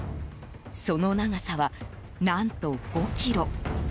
その長さは、何と５ｋｍ。